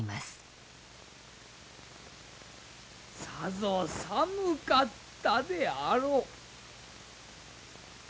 さぞ寒かったであろう。